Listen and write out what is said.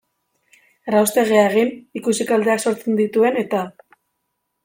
Erraustegia egin, ikusi kalteak sortzen dituen eta...